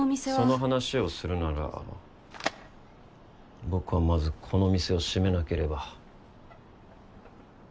その話をするなら僕はまずこの店を閉めなければ。